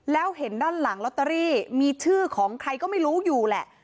แล้วเห็นด้านหลังลอตเตอรี่มีชื่อของใครก็ไม่รู้อยู่แหละ